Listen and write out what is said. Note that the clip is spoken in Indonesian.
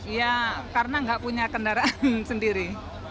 ya karena nggak punya kendaraan sendiri